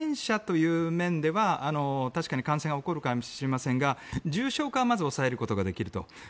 確かに感染者という面では確かに感染が起こるかもしれませんが重症化をまず抑えることができると。